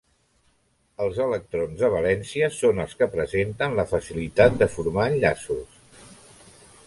Els electrons de valència són els que presenten la facilitat de formar enllaços.